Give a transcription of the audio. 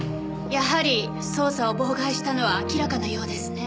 やはり捜査を妨害したのは明らかなようですね。